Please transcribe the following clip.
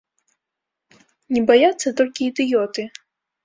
Не баяцца толькі ідыёты.